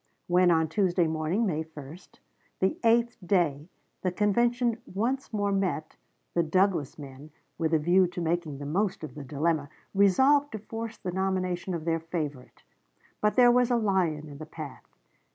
When on Tuesday morning, May 1, the eighth day, the convention once more met, the Douglas men, with a view to making the most of the dilemma, resolved to force the nomination of their favorite. But there was a lion in the path.